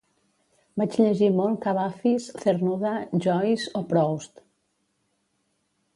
Vaig llegir molt, Kavafis, Cernuda, Joyce o Proust